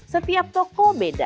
setiap toko beda